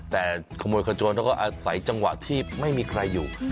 แต่ขโมยขโจรเขาก็อาศัยจังหวะที่ไม่มีใครอยู่